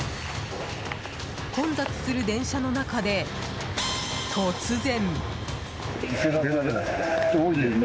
混雑する電車の中で、突然。